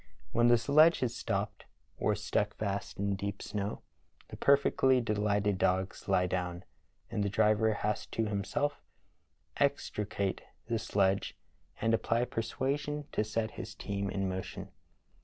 When the sledge is stopped or stuck fast in deep snow, the perfectly delighted dogs lie down, and the driver has to himself extricate the sledge and apply persuasion to set his team in mo tion.